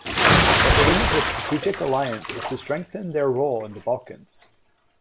The aim of this strategic alliance is to strengthen their role in the Balkans.